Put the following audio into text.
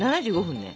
７５分ね